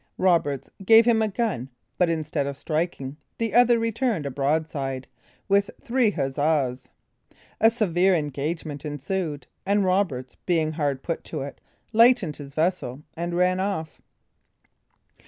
Roberts gave him a gun but instead of striking, the other returned a broadside, with three huzzas. A severe engagement ensued, and Roberts being hard put to it, lightened his vessel and ran off.